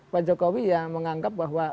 pak jokowi yang menganggap bahwa